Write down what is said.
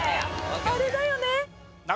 あれだよね？